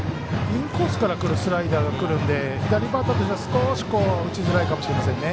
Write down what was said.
インコースからスライダーがくるので左バッターとしては少し打ちづらいかもしれませんね。